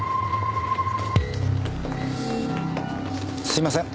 すいません。